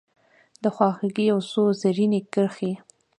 دخوا خوګۍ یو څو رزیني کرښې